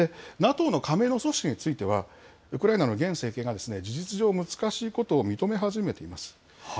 ＮＡＴＯの加盟の阻止については、ウクライナの現政権が、事実上、難しいことを認め始めています。